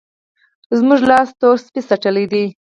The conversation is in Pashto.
زموږ لاس تور سپي څټلی دی.